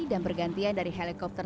dan bergantian dari helikopter